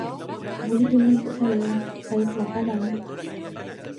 Boleh derma untuk saya, saya kelaparan.